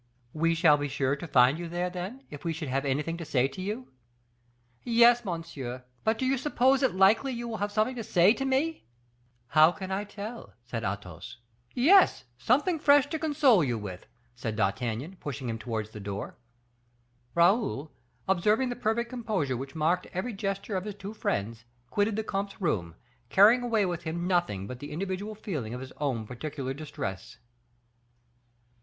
"We shall be sure to find you there, then, if we should have anything to say to you?" "Yes, monsieur; but do you suppose it likely you will have something to say to me?" "How can I tell?" said Athos. "Yes, something fresh to console you with," said D'Artagnan, pushing him towards the door. Raoul, observing the perfect composure which marked every gesture of his two friends, quitted the comte's room, carrying away with him nothing but the individual feeling of his own particular distress.